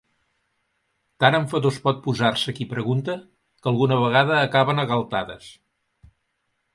Tan enfadós pot posar-se qui pregunta que alguna vegada acaben a galtades.